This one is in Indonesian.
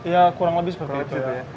ya kurang lebih seperti itu ya